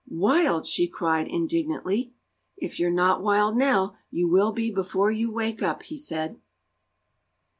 "Wild!" she cried, indignantly. "If you're not wild now, you will be before you wake up," he said.